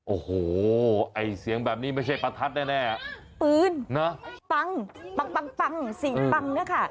โอ้โหไอ้เสียงแบบนี้ไม่ใช่ปะทัดแน่พื้นนะปังปังปังปัง